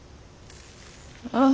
ああ。